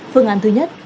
phương án thứ nhất